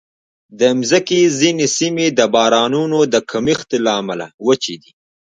د مځکې ځینې سیمې د بارانونو د کمښت له امله وچې دي.